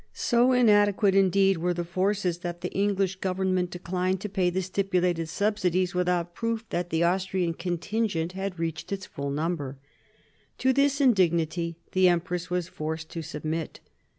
So inadequate, indeed, were the forces, that the English Government declined to pay the stipulated subsidies without proof that the Austrian contingent had reached its full number. To this indignity the empress was forced to submit.